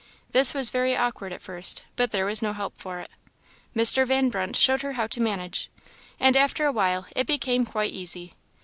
This was very awkward at first, but there was no help for it. Mr. Van Brunt showed her how to manage, and after a while it became quite easy.